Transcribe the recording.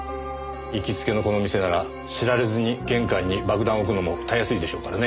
行きつけのこの店なら知られずに玄関に爆弾を置くのもたやすいでしょうからね。